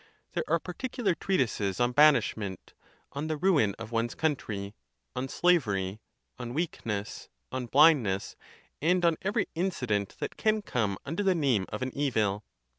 There are particular trea tises on banishment, on the ruin of one's country, on sla very, on weakness, on blindness, and on every incident that can come under the name of an evil.